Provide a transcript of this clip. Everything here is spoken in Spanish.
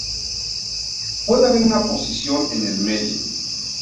Puede haber una preposición en el medio.